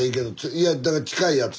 いやだから近いやつ。